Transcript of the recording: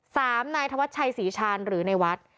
นายธวัชชัยศรีชาญหรือในวัด